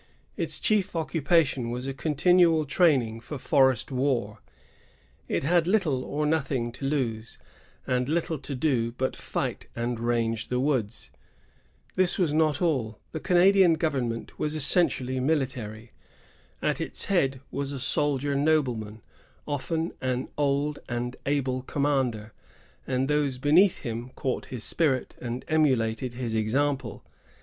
Its chief occupation was a continual training for forest war; it had little or nothing to lose, and little to do but fight and range the woods. This was not all. The Canadian gov ernment was essentially military. At its head was a soldier nobleman, often an old and able commander; and those beneath him caught his spirit and emulated his example.